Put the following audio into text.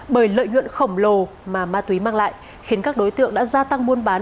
bởi lợi nhuận khổng lồ mà ma túy mang lại khiến các đối tượng đã gia tăng buôn bán